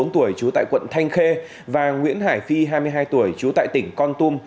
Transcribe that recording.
bốn mươi tuổi trú tại quận thanh khê và nguyễn hải phi hai mươi hai tuổi trú tại tỉnh con tum